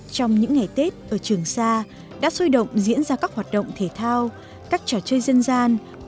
trong những ngày tết ở trường sa đã sôi động diễn ra các hoạt động thể thao các trò chơi dân gian